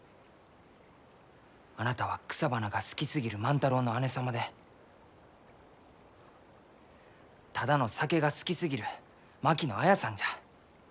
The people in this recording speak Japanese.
あなたは草花が好きすぎる万太郎の姉様でただの酒が好きすぎる槙野綾さんじゃ。